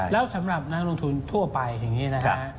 แล้วสำหรับนักลงทุนทั่วไปอย่างนี้นะฮะ